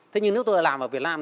thế nhưng nếu tôi làm ở việt nam